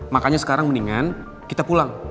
makanya sekarang mendingan kita pulang